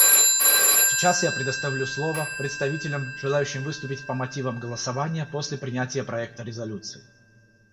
Сейчас я предоставлю слово представителям, желающим выступить по мотивам голосования после принятия проекта резолюции.